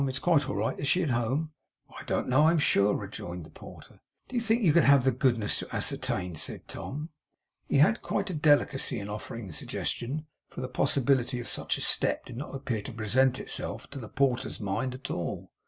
'It's quite right. Is she at home?' 'I don't know, I'm sure,' rejoined the porter. 'Do you think you could have the goodness to ascertain?' said Tom. He had quite a delicacy in offering the suggestion, for the possibility of such a step did not appear to present itself to the porter's mind at all.